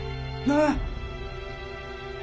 なあ！